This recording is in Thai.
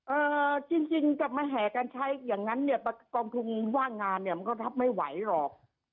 เอ่อจริงจริงจะมาแห่กันใช้อย่างนั้นเนี่ยกองทุนว่างงานเนี่ยมันก็รับไม่ไหวหรอก